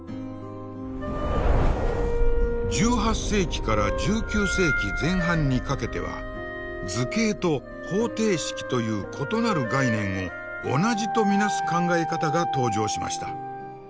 １８世紀から１９世紀前半にかけては図形と方程式という異なる概念を同じと見なす考え方が登場しました。